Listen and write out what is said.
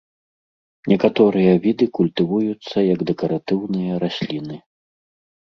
Некаторыя віды культывуюцца як дэкаратыўныя расліны.